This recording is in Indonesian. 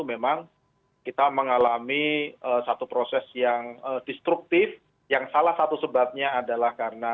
memang kita mengalami satu proses yang destruktif yang salah satu sebabnya adalah karena